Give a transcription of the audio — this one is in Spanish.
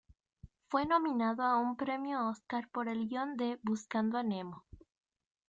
Fue nominado a un premio Óscar por el guion de "Buscando a Nemo".